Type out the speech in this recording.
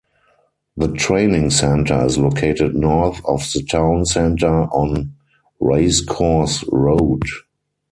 The Training centre is located north of the town centre on Racecourse Road.